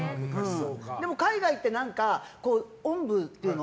でも海外行っておんぶっていうの？